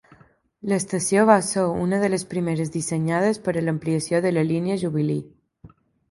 L'estació va ser una de les primeres dissenyades per a l'ampliació de la línia Jubilee.